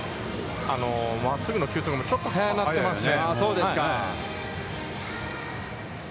真っすぐの球速もちょっと速くなっていますね。